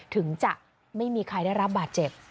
ถึงจะไม่มีใครได้รับบาดเจ็บ